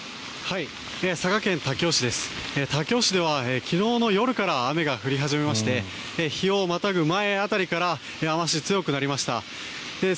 武雄市では昨日の夜から雨が降り出しまして日をまたぐ前辺りから雨脚が強くなりました。